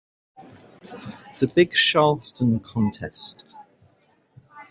The big Charleston contest.